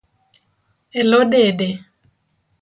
Elo dede